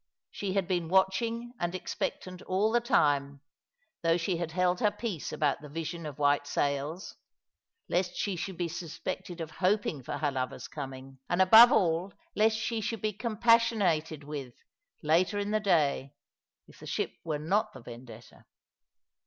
She had been watching and expectant all the time, though she had held her peace about the vision of white sails, lest she should be suspected of hoping for her lover's coming, and, above all, lest she should be compassionated with later in the day, if the ship were not the Vendetta.